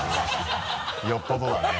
よっぽどだね。